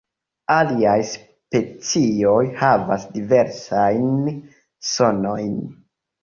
Aliaj specioj havas diversajn sonojn.